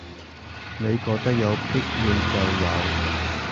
你覺得有必要就有